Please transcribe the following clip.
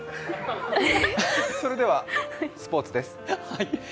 それではスポーツです。